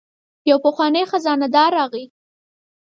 یو پخوانی خزانه دار راغی.